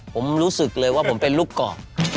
ผมรู้สึกเลยว่าผมเป็นลูกกรอก